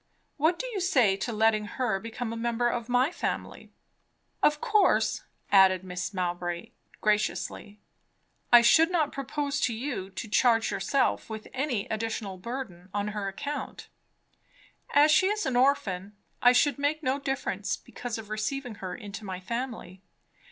What do you say to letting her become a member of my family? Of course," added Mrs. Mowbray graciously, "I should not propose to you to charge yourself with any additional burden on her account. As she is an orphan, I should make no difference because of receiving her into my family.